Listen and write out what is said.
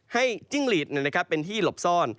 ให้จิ้งลีทเป็นที่หลบซ้อน